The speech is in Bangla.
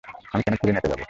আমি কেন ছুরি নেতে যাব?